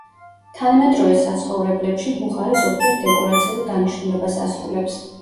თანამედროვე საცხოვრებლებში ბუხარი ზოგჯერ დეკორაციულ დანიშნულებას ასრულებს.